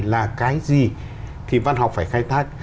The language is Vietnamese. là cái gì thì văn học phải khai thác